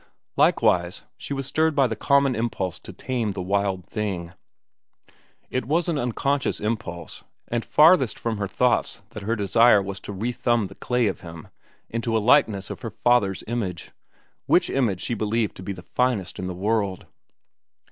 Likewise she was stirred by the common impulse to tame the wild thing. It was an unconscious impulse, and farthest from her thoughts that her desire was to re thumb the clay of him into a likeness of her father's image, which image she believed to be the finest in the world.